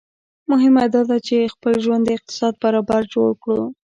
مهمه داده چي خپل ژوند د اقتصاد برابر جوړ کړو